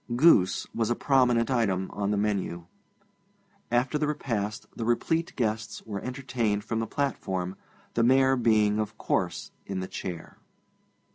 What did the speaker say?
Goose was a prominent item in the menu. After the repast the replete guests were entertained from the platform, the Mayor being, of course, in the chair.